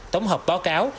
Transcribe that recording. tổng hợp báo cáo